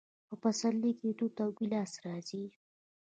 په پسرلي کې توت او ګیلاس راځي.